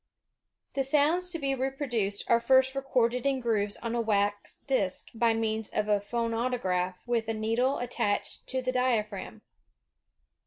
The sounds to be reproduced are first recorded in grooves on a wax disk, by means of a phonautograph with a needle attached to the diaphragm.